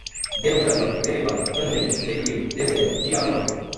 denominador, derivada, tangente, declive, dezena, diagonal